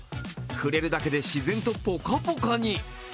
触れるだけで自然とぽかぽかに。